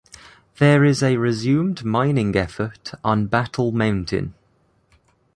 There is a resumed mining effort on Battle Mountain.